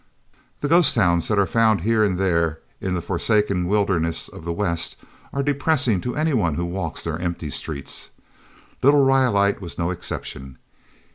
The ghost towns that are found here and there in the forsaken wilderness of the West are depressing to one who walks their empty streets. Little Rhyolite was no exception.